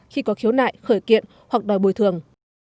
khi có khiếu nại khởi kiện hoặc đòi bồi thường